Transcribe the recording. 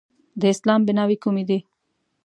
د اسلام بیناوې کومې دي؟